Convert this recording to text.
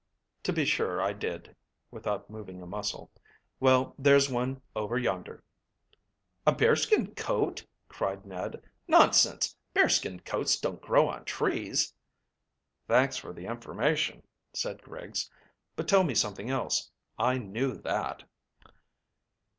"To be sure I did," without moving a muscle. "Well, there's one over yonder." "A bearskin coat?" cried Ned. "Nonsense! Bearskin coats don't grow on trees." "Thank you for the information," said Griggs, "but tell me something else; I knew that."